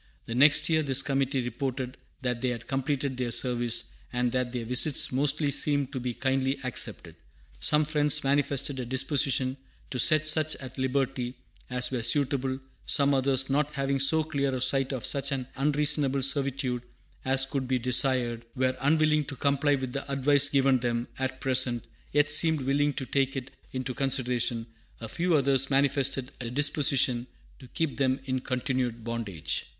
The next year this committee reported that they had completed their service, "and that their visits mostly seemed to be kindly accepted. Some Friends manifested a disposition to set such at liberty as were suitable; some others, not having so clear a sight of such an unreasonable servitude as could be desired, were unwilling to comply with the advice given them at present, yet seemed willing to take it into consideration; a few others manifested a disposition to keep them in continued bondage."